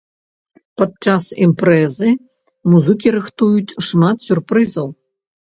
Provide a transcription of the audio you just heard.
Падчас імпрэзы музыкі рыхтуюць шмат сюрпрызаў.